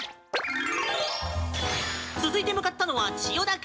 続いて向かったのは千代田区。